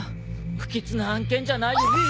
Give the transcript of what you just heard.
不吉な案件じゃないよね。